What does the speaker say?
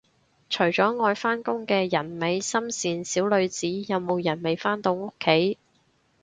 除咗愛返工嘅人美心善小女子，有冇人未返到屋企